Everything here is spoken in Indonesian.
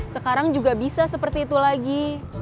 sekarang juga bisa seperti itu lagi